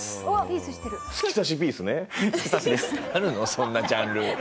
そんなジャンル。